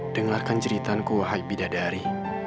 dengarkan ceritanku wahai bidadari